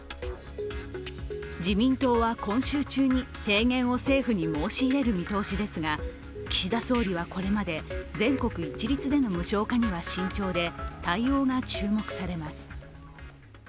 自民党は今週中に提言を政府に申し入れる見通しですが岸田総理はこれまで全国一律での無償化には慎重で対応が注目されます。